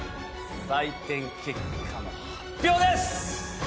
採点結果の発表です！